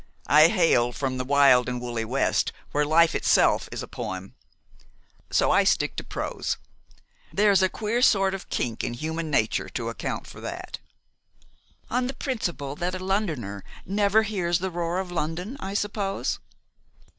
I hail from the wild and woolly West, where life itself is a poem; so I stick to prose. There is a queer sort of kink in human nature to account for that." "On the principle that a Londoner never hears the roar of London, I suppose?"